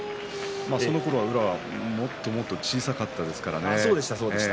そのころの宇良はもっと小さかったですからね。